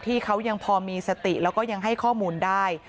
ที่เขายังพอมีสติแล้วก็ยังให้ข้อมูลได้